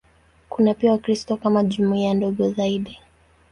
Kuna pia Wakristo kama jumuiya ndogo zaidi.